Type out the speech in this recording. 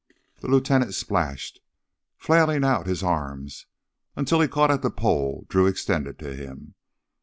The lieutenant splashed, flailing out his arms, until he caught at the pole Drew extended to him.